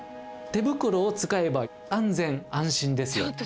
手袋を使えば安全安心ですよと。